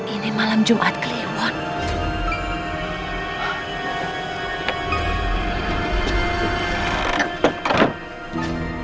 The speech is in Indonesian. ini malam jumat kelihatan